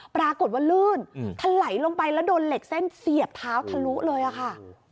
ปรากฏว่าลื่นทะไหลลงไปแล้วโดนเหล็กเส้นเสียบเท้าทะลุเลยอะค่ะ